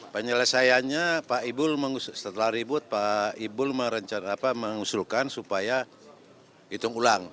penyelesaiannya setelah ribut pak ibul mengusulkan supaya hitung ulang